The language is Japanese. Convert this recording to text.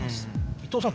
伊藤さん